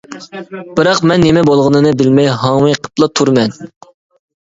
بىراق مەن نېمە بولغىنىنى بىلمەي ھاڭۋېقىپلا تۇرىمەن.